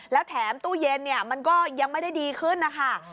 แล้วแถมตู้เย็นเนี่ยมันก็ยังไม่ได้ดีขึ้นนะคะ